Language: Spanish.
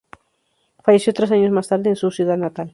Falleció tres años más tarde en su ciudad natal.